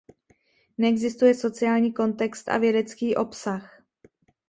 Neexistuje sociální kontext a vědecký obsah.